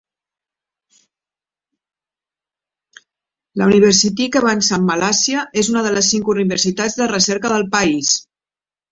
La Universiti Kebangsaan Malaysia és una de les cinc universitats de recerca del país.